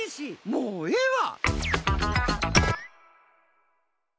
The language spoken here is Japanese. もうええわ！